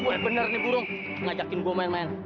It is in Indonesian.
tidak ini benar benar burung ngajakin gue main main